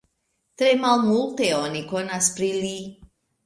Tre malmulte oni konas pri li.